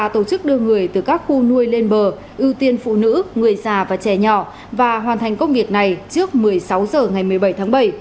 tổ chức đưa người từ các khu nuôi lên bờ ưu tiên phụ nữ người già và trẻ nhỏ và hoàn thành công việc này trước một mươi sáu h ngày một mươi bảy tháng bảy